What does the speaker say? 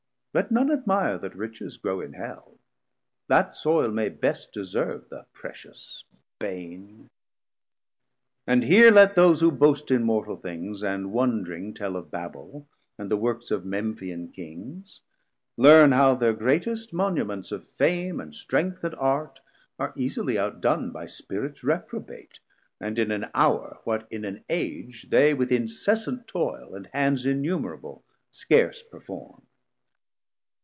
Let none admire 690 That riches grow in Hell; that soyle may best Deserve the pretious bane. And here let those Who boast in mortal things, and wondring tell Of Babel, and the works of Memphian Kings, Learn how thir greatest Monuments of Fame, And Strength and Art are easily outdone By Spirits reprobate, and in an hour What in an age they with incessant toyle And hands innumerable scarce perform.